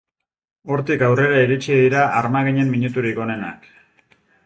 Hortik aurrera iritsi dira armaginen minuturik onenak.